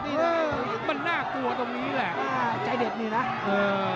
นี่มันน่ากลัวตรงนี้แหละอ่าใจเด็ดนี่นะเออ